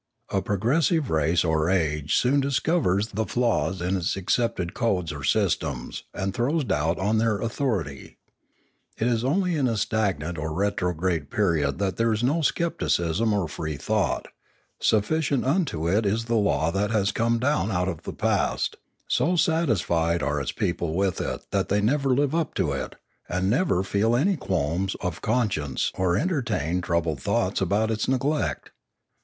A progressive race or age soon dis covers the flaws in its accepted codes or systems and throws doubt on their authority. It is only in a stag nant or retrograde period that there is no scepticism or free thought; sufficient unto it is the law that has come down out of the past; so satisfied are its people with it that they never live up to it, and never feel any qualms of conscience or entertain troubled thoughts about its neglect.